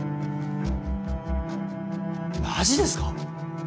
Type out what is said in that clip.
マジですか？